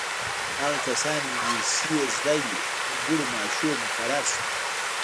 هغه کسان انګلیسي یې زده وه په لوړو معاشونو مقرر شول.